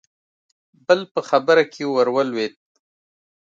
بل په خبره کې ورولوېد: